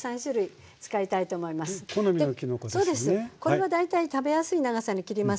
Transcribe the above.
これは大体食べやすい長さに切ります。